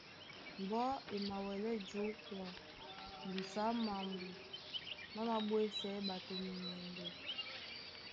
Mbɔ́ e mawɛlɛ́ jǒkwa ŋgusu á mambo má māɓwésɛɛ́ ɓato munyɛŋgɛ.